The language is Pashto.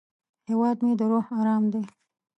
هیواد مې د روح ارام دی